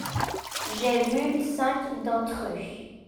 J’ai vu cinq d’entre eux.